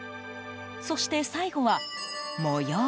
そして最後は、模様。